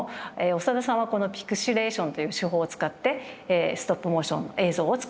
長田さんはこのピクシレーションという手法を使ってストップモーション映像を作ってます。